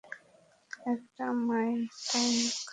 একটা mai tai খাও।